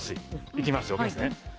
いきますよ。